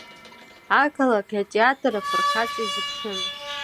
Ақалақь-атеатр афырхаҵа изыԥшын.